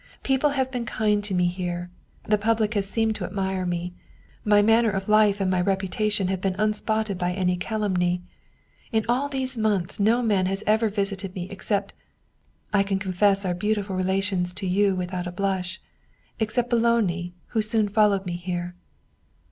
People have been kind to me here; the public has seemed to admire me. My manner of life and my reputation have been unspotted by any calumny. In all these months no man has ever visited me except I can confess our beau tiful relations to you without a blush except Boloni, who soon followed me here.